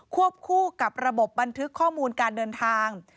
วบคู่กับระบบบันทึกข้อมูลการเดินทาง